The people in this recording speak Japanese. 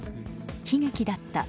悲劇だった。